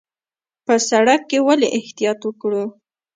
په سړک کې ولې احتیاط وکړو؟